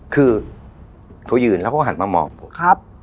คือเขายืนแล้วเขาก็หันมามองผมครับ